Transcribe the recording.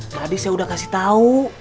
tadi saya sudah kasih tahu